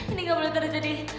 ini ga boleh terjadi